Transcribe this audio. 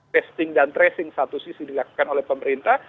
testing dan tracing satu sisi dilakukan oleh pemerintah